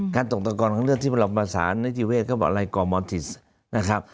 การตกตะกอนของเลือดที่เราภาษาในทีเวศก็บอกไลกอร์มอลติสนะครับ